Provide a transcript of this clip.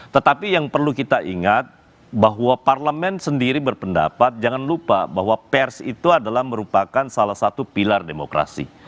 tetapi yang perlu kita ingat bahwa parlemen sendiri berpendapat jangan lupa bahwa pers itu adalah merupakan salah satu pilar demokrasi